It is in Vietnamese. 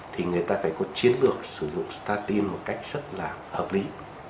thì người ta phải có chiến lược sử dụng starty một cách rất là hợp lý